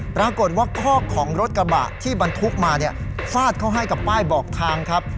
ปรากฏว่าคอกของรถกระบะที่บรรทุกมาเนี่ยฟาดเข้าให้กับป้ายบอกทางครับ